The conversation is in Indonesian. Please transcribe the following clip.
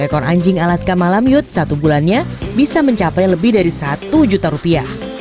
ekor anjing alaska malam yut satu bulannya bisa mencapai lebih dari satu juta rupiah